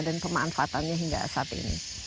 dan pemanfaatannya hingga saat ini